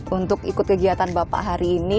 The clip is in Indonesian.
untuk ikut kegiatan bapak hari ini